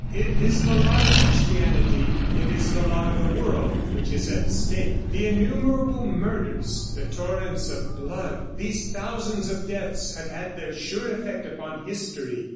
It is the lot of Christianity, it is the lot of the world, which is at stake. The innumerable murders, the torrents of blood, these thousands of deaths have had their sure effect upon history.